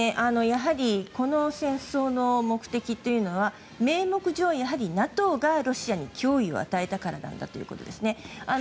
やはり、この戦争の目的というのは名目上、やはりＮＡＴＯがロシアに脅威を与えたからなんだということですね。